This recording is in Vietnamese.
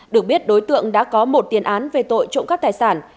được biết đối tượng đã có một tiền án về tội trộm các tài sản